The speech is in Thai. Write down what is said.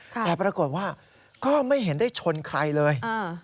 แต่ปรากฏว่าก็ไม่เห็นได้ชนใครเลย